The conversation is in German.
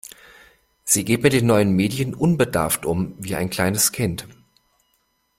Sie geht mit den neuen Medien unbedarft um, wie ein kleines Kind.